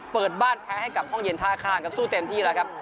เปิดบ้านแพ้ให้กับห้องเย็นท่าข้างครับสู้เต็มที่แล้วครับ